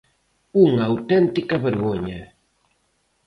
Unha auténtica vergoña.